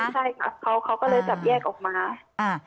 ใช่ครับเขาก็เลยจับแยกออกมา